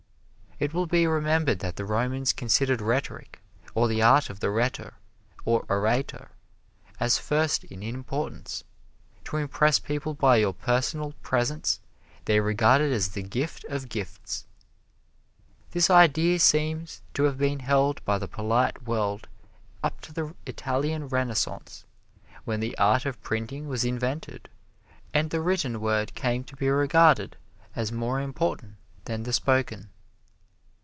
It will be remembered that the Romans considered rhetoric, or the art of the rhetor, or orator, as first in importance. To impress people by your personal presence they regarded as the gift of gifts. This idea seems to have been held by the polite world up to the Italian Renaissance, when the art of printing was invented and the written word came to be regarded as more important than the spoken.